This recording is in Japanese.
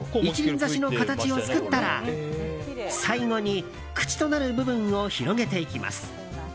挿しの形を作ったら最後に口となる部分を広げていきます。